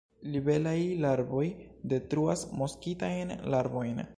Libelaj larvoj detruas moskitajn larvojn.